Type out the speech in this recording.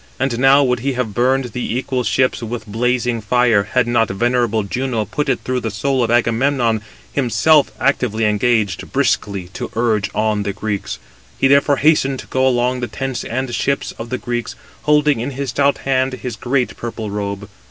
And now would he have burned the equal ships with blazing fire, had not venerable Juno put it into the soul of Agamemnon, himself actively engaged, briskly to urge on the Greeks. He therefore hastened to go along the tents and ships of the Greeks, holding in his stout hand his great purple robe.